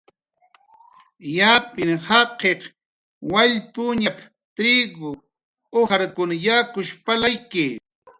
"Yapn nurkir karmajkunaq wallpuñap"" triku, ujarkun yakush palayki"